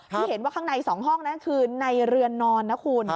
ที่เห็นว่าข้างใน๒ห้องนั้นคือในเรือนนอนนะคุณ